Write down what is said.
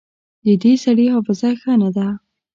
د دې سړي حافظه ښه نه ده